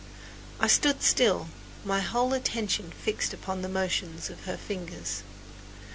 I stood still, my whole attention fixed upon the motions of her fingers.